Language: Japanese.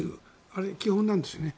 あれ、基本なんですね。